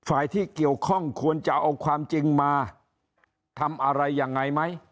ฝ่ายที่เกี่ยวข้องควรจะเอาความจริงมาทำอะไรยังไงไหม